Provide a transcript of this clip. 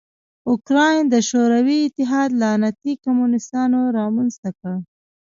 اوکراین د شوروي اتحاد لعنتي کمونستانو رامنځ ته کړ.